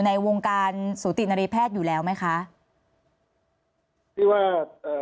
ในวงการสูตินรีแพทย์อยู่แล้วไหมคะที่ว่าเอ่อ